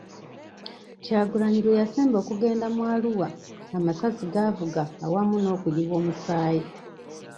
Kyagulanyi lwe yasemba okugenda mu Arua, amasasi gaavuga awamu n'okuyiwa omusaayi.